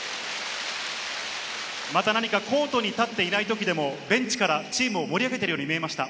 また何かコートに至っていないときでも、ベンチからチームを盛り上げているように見えました。